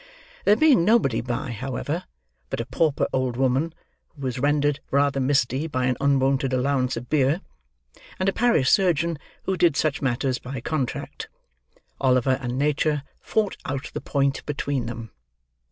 There being nobody by, however, but a pauper old woman, who was rendered rather misty by an unwonted allowance of beer; and a parish surgeon who did such matters by contract; Oliver and Nature fought out the point between them.